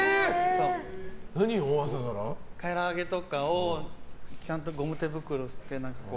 から揚げとかをちゃんとゴム手袋して。